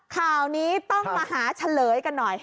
ข่าวนี้ต้องมาหาเฉลยกันหน่อย